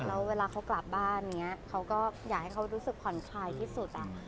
แล้วเวลาเขากลับบ้านอย่างนี้เขาก็อยากให้เขารู้สึกผ่อนคลายที่สุด